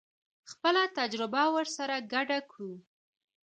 خپله تجربه ورسره ګډه کړو.